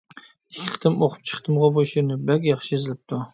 ئىككى قېتىم ئوقۇپ چىقتىمغۇ بۇ شېئىرنى، بەك ياخشى يېزىلىپتۇ.